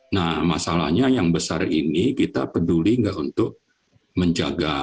nah masalahnya yang besar ini kita peduli nggak untuk menjaga